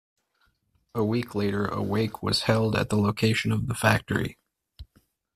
A week later a "wake" was held at the location of the factory.